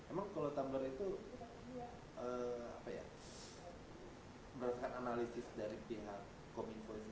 emang kalau tumbler itu berdasarkan analisis dari pihak kominfo ini